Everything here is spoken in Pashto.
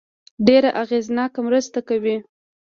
ډېره اغېزناکه مرسته کوي.